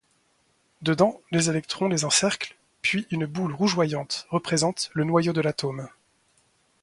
Dedans les électrons les encerclent puis une boule rougeoyante représente le noyau de l'atome.